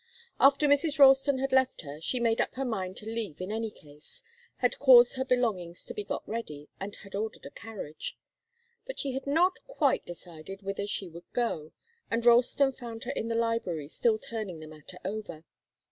After Mrs. Ralston had left her, she had made up her mind to leave in any case, had caused her belongings to be got ready, and had ordered a carriage. But she had not quite decided whither she would go, and Ralston found her in the library still turning the matter over.